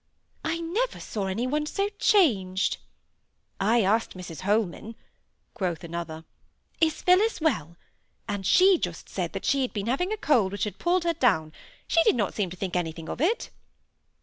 "I never saw any one so changed!" "I asked Mrs Holman," quoth another, "'Is Phillis well?' and she just said she had been having a cold which had pulled her down; she did not seem to think anything of it."